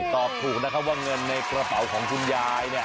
ตอบถูกนะครับว่าเงินในกระเป๋าของคุณยาย